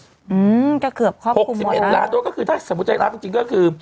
อืมก็เกือบครอบครูหมดแล้ว๖๑ล้านโดสก็คือถ้าสมมุติจะอีกล้านจริงก็คือ